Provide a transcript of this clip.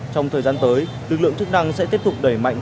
trong thời gian tới lực lượng chức năng sẽ tiếp tục đẩy mạnh